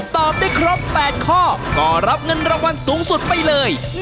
ตอบได้ครบ๘ข้อก็รับเงินรางวัลสูงสุดไปเลย